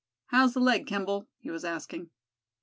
"How's the leg, Kimball?" he was asking.